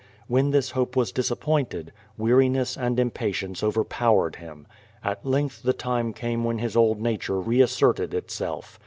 When this hope was disappointed, weariness and impatience overpowered him. At length the time came when his old nature reasserted itself.